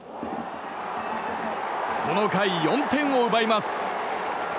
この回、４点を奪います。